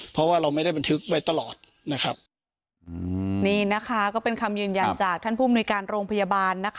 เพราะว่าเราไม่ได้บันทึกไปตลอดนะครับ